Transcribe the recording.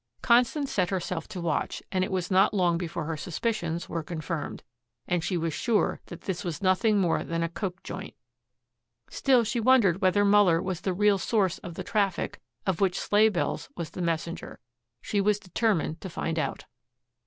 Constance set herself to watch, and it was not long before her suspicions were confirmed, and she was sure that this was nothing more than a "coke" joint. Still she wondered whether Muller was the real source of the traffic of which Sleighbells was the messenger. She was determined to find out.